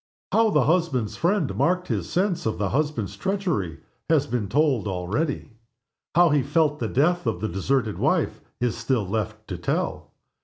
How the husband's friend marked his sense of the husband's treachery has been told already. How he felt the death of the deserted wife is still left to tell.